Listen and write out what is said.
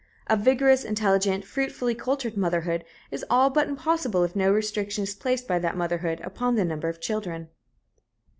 A vigorous, intelligent, fruitfully cultured motherhood is all but impossible if no restriction is placed by that motherhood upon the number of children.